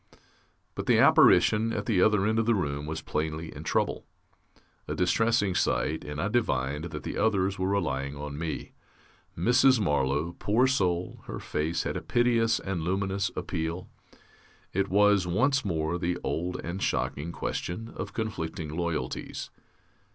But the apparition at the other end of the room was plainly in trouble. A distressing sight, and I divined that the others were relying on me. Mrs. Marlow, poor soul, her face had a piteous and luminous appeal. It was, once more, the old and shocking question of conflicting loyalties.